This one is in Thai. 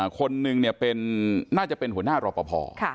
คนหนึ่งเนี่ยเป็นน่าจะเป็นหัวหน้ารอบพอ